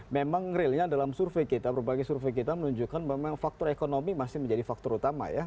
memang realnya dalam survei kita berbagai survei kita menunjukkan memang faktor ekonomi masih menjadi faktor utama ya